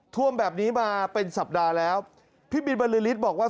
ท่วมแบบนี้มาเป็นสัปดาห์แล้วพี่บินบริษฐ์บอกว่า